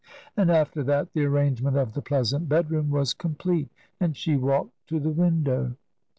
And after that, the arrangement of the pleasant bedroom was complete, and she walked to the window.